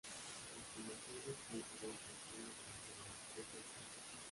Estimaciones coincidentes son las del historiador Peter Hayes.